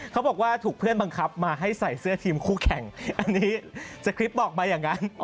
เขาบอกว่าถูกเพื่อนบังคับมาให้ใส่เสื้อทีมคู่แข่งอันนี้สคริปต์บอกมาอย่างนั้น